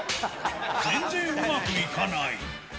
全然うまくいかない。